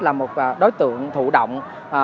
là một đối tượng thụ động